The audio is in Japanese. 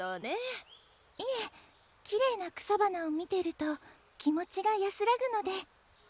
いえきれいな草花を見てると気持ちが安らぐので。